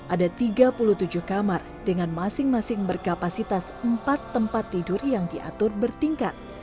ada tiga puluh tujuh kamar dengan masing masing berkapasitas empat tempat tidur yang diatur bertingkat